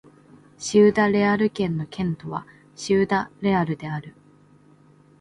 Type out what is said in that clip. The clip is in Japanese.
シウダ・レアル県の県都はシウダ・レアルである